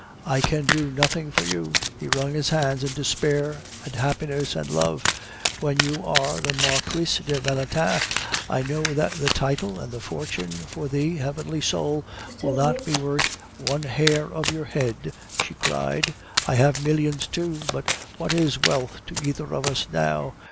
I can do nothing for you." He wrung his hands in despair and happiness and love. "When you are the Marquise de Valentin, I know that the title and the fortune for thee, heavenly soul, will not be worth " "One hair of your head," she cried. "I have millions too. But what is wealth to either of us now?